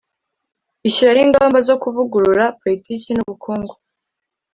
ishyiraho ingamba zo kuvugurura politiki n'ubukungu.